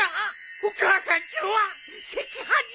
お母さん今日は赤飯じゃのう。